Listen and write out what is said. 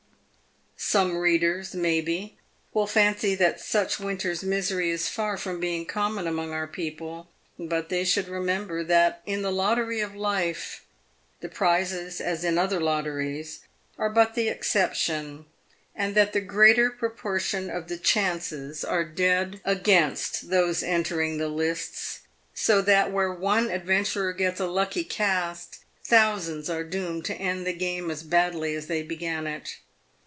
Some readers, maybe, will fancy that such winter's misery is far from being common among our people ; but they should remember that in the lottery of life the prizes, as in other lotteries, are but the exception, and that the greater proportion of the chances are dead A PAVED WITH GOLD. 9 against those entering the lists, so that where one adventurer gets a lucky cast, thousands are doomed to end the game as badly as they began it.